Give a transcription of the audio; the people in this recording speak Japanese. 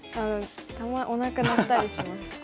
たまにおなか鳴ったりします。